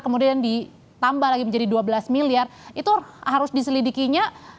kemudian ditambah lagi menjadi dua belas miliar itu harus diselidikinya